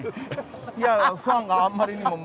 いやファンがあんまりにも。